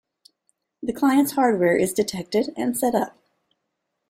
The client's hardware is detected and set up.